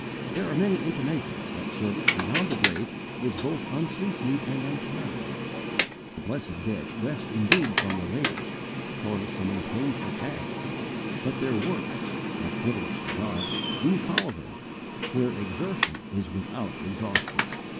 There are many intimations that service beyond the grave is both unceasing and untiring: the blessed dead "rest indeed from their labours" toilsome and painful tasks "but their works" activities for God "do follow them," where exertion is without exhaustion.